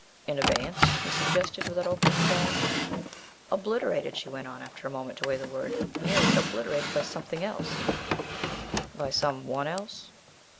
"In abeyance," he suggested, without opening his eyes. "Obliterated," she went on, after a moment to weigh the word, "merely obliterated by something else " "By some one else?"